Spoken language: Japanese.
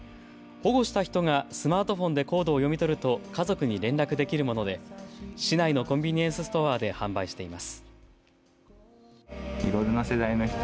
保護した人がスマートフォンでコードを読み取ると家族に連絡できるもので市内のコンビニエンスストアで販売しています。